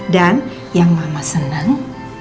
dan yang mama seneng